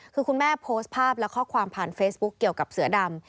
คือคุณแม่โพสต์ภาพและข้อความผ่านเฟซบุ๊คเกี่ยวกับเสือดำ